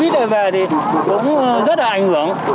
nói chung là cái dịch covid về thì cũng rất là ảnh hưởng